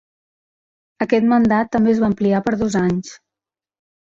Aquest mandat també es va ampliar per dos anys.